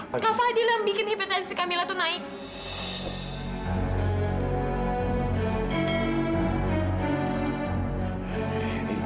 kak fadil yang membuat hipertensi kamila itu naik